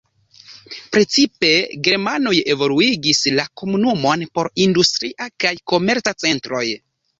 Precipe germanoj evoluigis la komunumon por industria kaj komerca centroj.